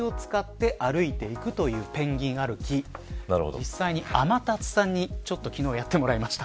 実際に天達さんに昨日やってもらいました。